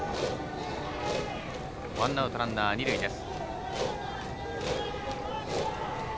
ワンアウトランナー、二塁です。